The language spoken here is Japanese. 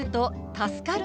「助かる」。